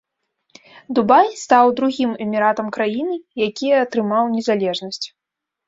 Дубай стаў другім эміратам краіны, якія атрымаў незалежнасць.